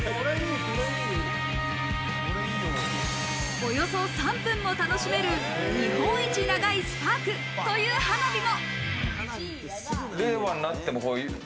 およそ３分も楽しめる、日本一ながーいスパークという花火も。